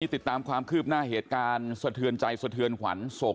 ติดตามความคืบหน้าเหตุการณ์สะเทือนใจสะเทือนขวัญศพ